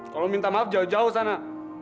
kalau minta maaf jauh jauh sana